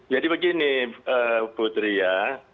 jadi begini putri ya